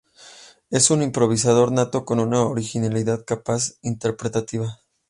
Es un improvisador nato con una original capacidad interpretativa.